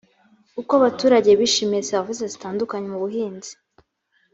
uko abaturage bishimiye serivisi zitandukanye mu buhinzi